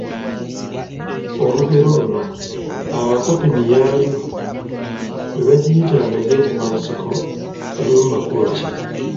Olugero luno: “Abakopi miyaayu bwe bajiyita nga gyekuba nsiko", lulina makulu ki?